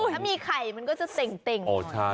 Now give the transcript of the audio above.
ถ้ามีไข่มันก็จะเต็งอ๋อใช่